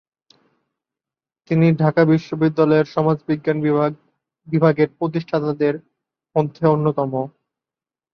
তিনি ঢাকা বিশ্ববিদ্যালয়ের সমাজবিজ্ঞান বিভাগের প্রতিষ্ঠাতাদের মধ্যে অন্যতম।